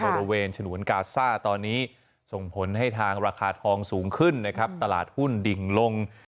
บริเวณฉนวนกาซ่าตอนนี้ส่งผลให้ทางราคาทองสูงขึ้นนะครับตลาดหุ้นดิ่งลง